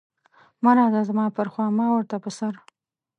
مه راځه زما پر خوا ما ورته په سر.